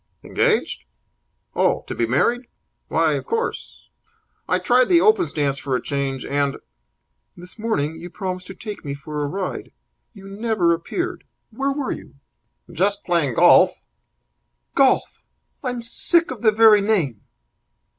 "Engaged? Oh, to be married? Why, of course. I tried the open stance for a change, and " "This morning you promised to take me for a ride. You never appeared. Where were you?" "Just playing golf." "Golf! I'm sick of the very name!"